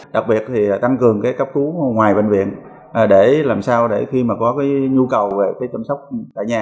đặc biệt thì tăng cường cấp cứu ngoài bệnh viện để làm sao khi có nhu cầu về chăm sóc tại nhà